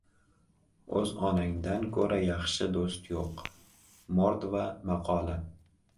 O‘z onangdan ko‘ra yaxshi do‘st yo‘q. Mordva maqoli